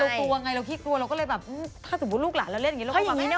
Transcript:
ตัวตัวไงเราคิดกลัวเราก็เลยแบบถ้าสมมุติลูกหลานเราเล่นอย่างงี้